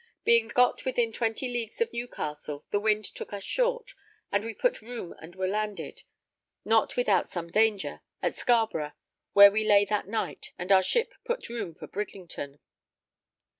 Being got within twenty leagues of Newcastle, the wind took us short, and we put room and were landed, not without some danger, at Scarborough where we lay that night, and our ship put room for Bridlington.